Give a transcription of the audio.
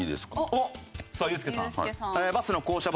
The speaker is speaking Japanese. おっさあユースケさん。